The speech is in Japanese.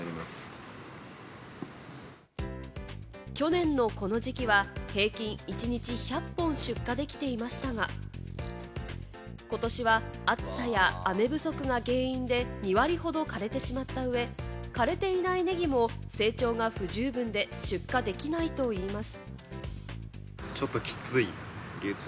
去年のこの時期は平均一日１００本出荷できていましたが、ことしは暑さや雨不足が原因で２割ほどかれてしまったうえ、枯れていないネギも成長が不十分で出荷できないといいます。